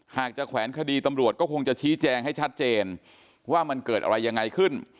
หากจะแขวนคดีตำรวจก็คงจะชี้แจงให้ชัดเจนว่ามันเกิดอะไรยังไงขึ้น